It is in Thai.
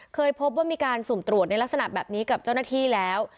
เคยพบว่ามีการสุ่มตรวจในลักษณะแบบนี้กับเจ้าหน้าที่แล้ว